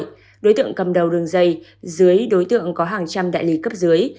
đối tượng cầm đầu đường dây dưới đối tượng có hàng trăm đại lý cấp dưới